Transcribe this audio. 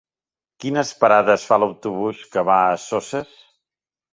Quines parades fa l'autobús que va a Soses?